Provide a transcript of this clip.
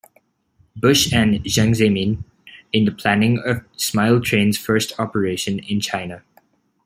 Bush and Jiang Zemin, in the planning of Smile Train's first operation in China.